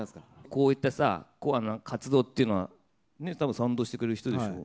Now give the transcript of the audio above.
こういったさ、活動っていうのは、たぶん賛同してくれる人ですよ。